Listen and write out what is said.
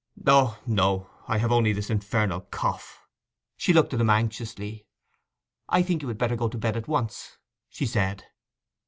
'O no. I have only this infernal cough.' She looked at him anxiously. 'I think you had better go to bed at once,' she said.